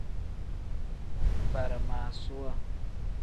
Baramaasuwa.